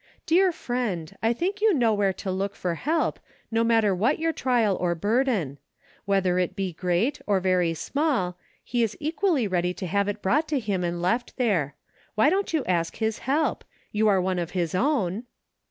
Dear friend, I think you know where to look for help, no matter what your trial or burden; 'whether it be great or very small, He is equally ready to have it brought to Him. and left there. Why don't you ask His help ? You are one of His own.